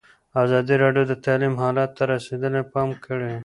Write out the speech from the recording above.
ازادي راډیو د تعلیم حالت ته رسېدلي پام کړی.